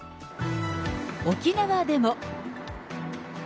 沖縄でも。